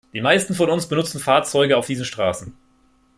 Die meisten von uns benutzen Fahrzeuge auf diesen Straßen.